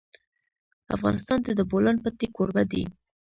افغانستان د د بولان پټي کوربه دی.